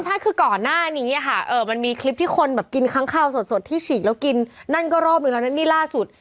ใช่คือก่อนหน้านี้ค่ะมันมีคลิปที่คนแบบกินค้างคาวสดที่ฉีกแล้วกินนั่นก็รอบนึงแล้วนะนี่ล่าสุด